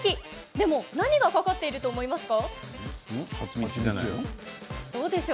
でも何が、かかっていると思いますか？